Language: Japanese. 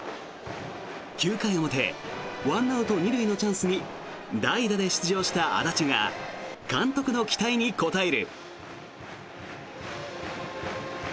９回表１アウト２塁のチャンスに代打で出場した安達が監督の期待に応える。